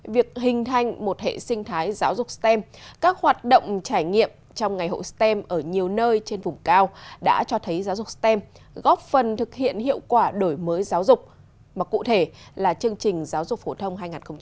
việc hình thành một hệ sinh thái giáo dục stem các hoạt động trải nghiệm trong ngày hội stem ở nhiều nơi trên vùng cao đã cho thấy giáo dục stem góp phần thực hiện hiệu quả đổi mới giáo dục mà cụ thể là chương trình giáo dục phổ thông hai nghìn một mươi tám